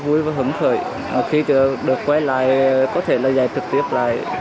vui và hứng thởi khi được quay lại có thể là dạy trực tiếp lại